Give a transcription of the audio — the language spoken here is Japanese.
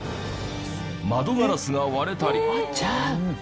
窓ガラスが割れたり。